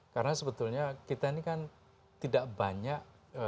karena sebetulnya kita ini kan tidak banyak